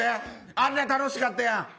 あんな楽しかったやん。